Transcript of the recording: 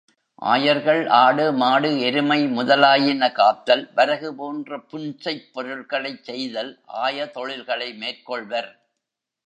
ஆயர்கள் ஆடு, மாடு, எருமை முதலாயின காத்தல், வரகு போன்ற புன்செய்ப் பொருள்களைச் செய்தல் ஆய தொழில்களை மேற்கொள்வர்.